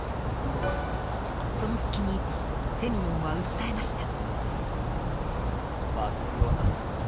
その隙にセミヨンは訴えました。